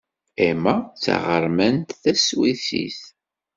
Emma d taɣermant taswisit.